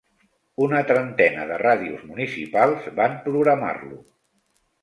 Una trentena de ràdios municipals van programar-lo.